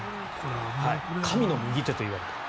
神の右手といわれている。